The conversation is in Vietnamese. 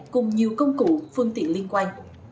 cùng nhiều công cụ phương tiện liên quan